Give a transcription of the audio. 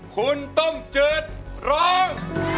คุณต้องจืดร้อง